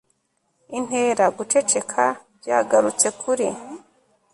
intera, guceceka byagarutse kuri